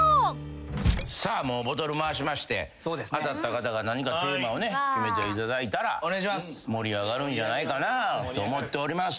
さあもうボトル回しまして当たった方が何かテーマをね決めていただいたら盛り上がるんじゃないかなぁと思っております。